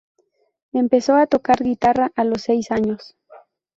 Empezó a tocar guitarra a los seis años.